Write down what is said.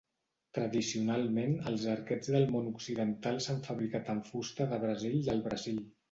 Tradicionalment, els arquets del món occidental s'han fabricat amb fusta de brasil del Brasil.